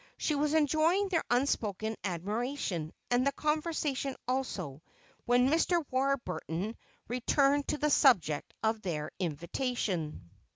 She was enjoying their unspoken admiration, and the conversation also, when Mr. Warburton returned to the subject of their invitation.